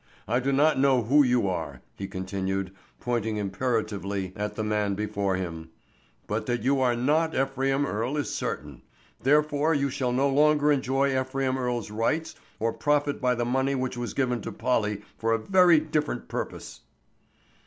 I do not know who you are," he continued, pointing imperatively at the man before him, "but that you are not Ephraim Earle is certain. Therefore you shall no longer enjoy Ephraim Earle's rights or profit by the money which was given to Polly for a very different purpose."